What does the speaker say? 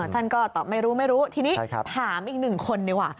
ท่านก็ตอบไม่รู้ไม่รู้ทีนี้ถามอีกหนึ่งคนดีกว่า